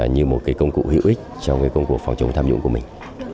như một cái công cụ hữu ích trong cái công cụ phòng chống tham nhũng của mình